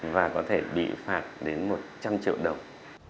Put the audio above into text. và có thể bị phạt đến một trăm linh triệu đồng